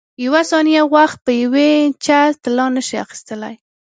یوه ثانیه وخت په یوې انچه طلا نه شې اخیستلای.